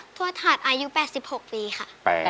โทษถัดอายุ๘๖ปีค่ะ